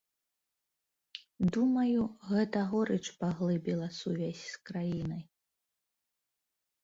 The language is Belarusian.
Думаю, гэта горыч паглыбіла сувязь з краінай.